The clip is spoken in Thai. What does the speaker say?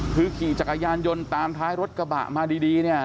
คือขี่จักรยานยนต์ตามท้ายรถกระบะมาดีเนี่ย